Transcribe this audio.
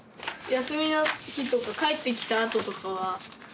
休みの日とか帰ってきたあととかは学校から。